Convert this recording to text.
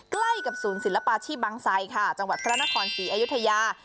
ใกล้กับศูนย์ศิลปาชีพบางไซค่ะจังหวัดพระนครศรีอยุธยา